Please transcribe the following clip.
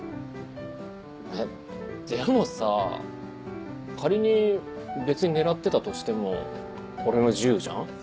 えでもさ仮に別に狙ってたとしても俺の自由じゃん？